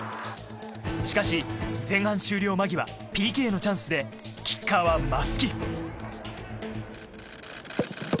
しかし、前半終了間際、ＰＫのチャンスでキッカーは松木。